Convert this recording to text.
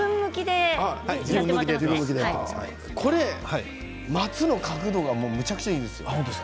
大吉さんは松の角度がめちゃくちゃいいですよ。